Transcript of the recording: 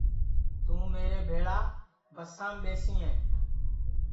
توں مھارے بھیݪا بسام ٻیسیں